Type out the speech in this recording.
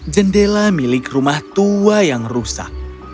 jendela milik rumah tua yang rusak